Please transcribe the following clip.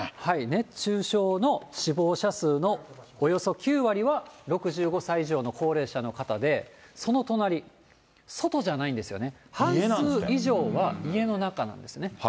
熱中症の死亡者数のおよそ９割は６５歳以上の高齢者の方で、その隣、外じゃないんですよね、半数以上は家の中なんですね。